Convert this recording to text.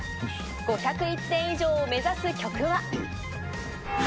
５０１点以上を目指す曲は。